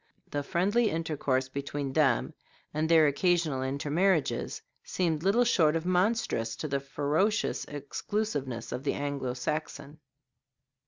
The friendly intercourse between them, and their occasional intermarriages, seemed little short of monstrous to the ferocious exclusiveness of the Anglo Saxon.